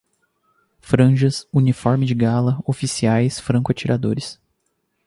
Franjas, uniforme de gala, oficiais, franco-atiradores